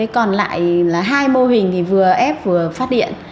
còn lại là hai mô hình thì vừa ép vừa phát điện